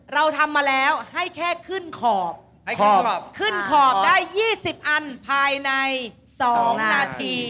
เราทำมาแล้วให้แค่ขึ้นขอบขึ้นขอบได้๒๐อันภายใน๒นาที